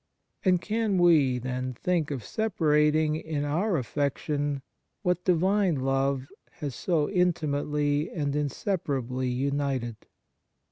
and can we, then, think of separat ing in our affection what Divine love has so intimately and inseparably united